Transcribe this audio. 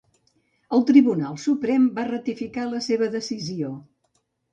El Tribunal Suprem va ratificar la seva decisió.